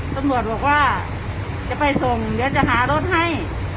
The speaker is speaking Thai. ตำรวจบอกว่าจะไปส่งเดี๋ยวจะหารถให้